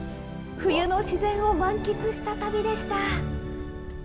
冬の自然を満喫した旅でした。